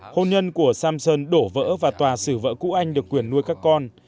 hôn nhân của samson đổ vỡ và tòa sử vỡ cũ anh được quyền nuôi các con